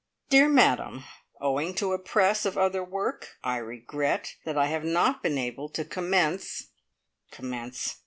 "Dear Madam, Owing to a press of other work, I regret that I have not been able to commence " "Commence!